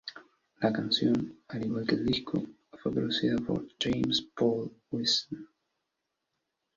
La canción, al igual que el disco, fue producida por James Paul Wisner.